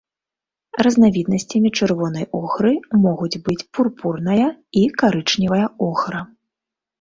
Разнавіднасцямі чырвонай охры могуць быць пурпурная і карычневая охра.